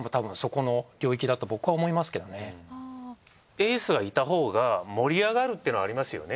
エースがいたほうが盛り上がるっていうのはありますよね。